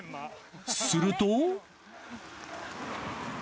すると。